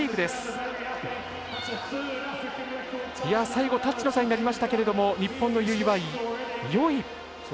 最後、タッチの差になりましたが日本の由井は４位。